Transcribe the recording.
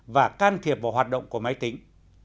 và can thiệp vào hoạt động của máy tính